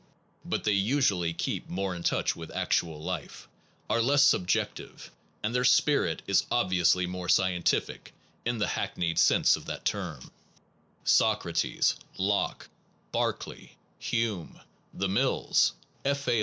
but they usually keep more in touch with actual life, are less subjective, and their spirit is obviously more scientific in the hackneyed sense of that 36 THE PROBLEMS OF METAPHYSICS term. Socrates, Locke, Berkeley, Hume, the Mills, F. A.